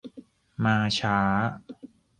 มาช้า